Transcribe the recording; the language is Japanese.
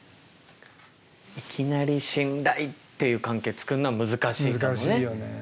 いきなり信頼っていう関係をつくるのは難しいかもね。